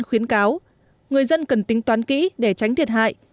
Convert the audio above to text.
tỉnh phú yên khuyến cáo người dân cần tính toán kỹ để tránh thiệt hại